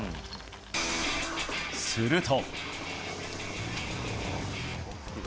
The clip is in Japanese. すると。